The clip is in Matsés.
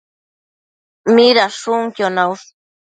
Midashunquio naush?